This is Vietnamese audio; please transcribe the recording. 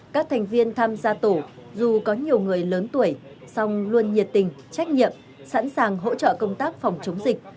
các thành viên tham gia tổ dù có nhiều người lớn tuổi song luôn nhiệt tình trách nhiệm sẵn sàng hỗ trợ công tác phòng chống dịch